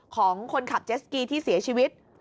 ของคนขับเจสกีที่เสียชีวิต